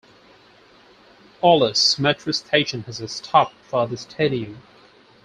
Ulus Metro Station has a stop for the stadium.